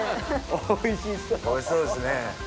おいしそうですね。